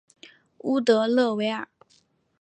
乌德勒维尔。